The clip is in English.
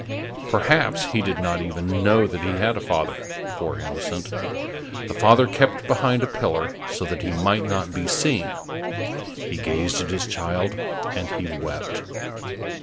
Perhaps he did not even know that he had a father, poor innocent! The father kept behind a pillar, so that he might not be seen. He gazed at his child and he wept.